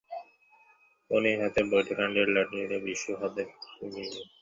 ফণী হাতের বৈঁচিকাঠের লাঠিটা বিশু পালিতের হাতে দিয়া বুড়ির মুখের কাছে বসিল।